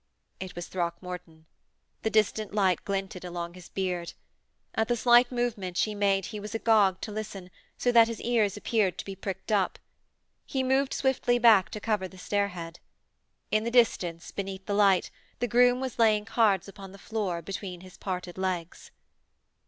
It was Throckmorton! The distant light glinted along his beard. At the slight movement she made he was agog to listen, so that his ears appeared to be pricked up. He moved swiftly back to cover the stairhead. In the distance, beneath the light, the groom was laying cards upon the floor between his parted legs.